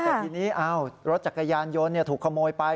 แต่ทีนี้รถจักรยานยนต์ถูกขโมยไป